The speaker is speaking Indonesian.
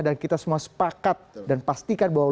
dan kita semua sepakat dan pastikan bahwa